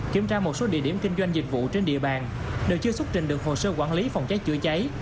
kiểm tra một số địa điểm kinh doanh dịch vụ trên địa bàn đều chưa xuất trình được hồ sơ quản lý phòng cháy chữa cháy